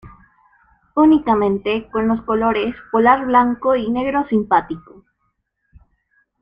Únicamente con los colores Polar Blanco y Negro Simpático.